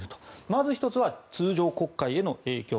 まず１つは通常国会への影響。